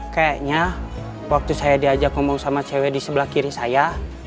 kayaknya waktu saya diajak ngomong sama cewek di sebelah kiri saya